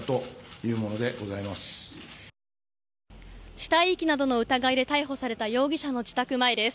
死体遺棄などの疑いで逮捕された容疑者の自宅前です。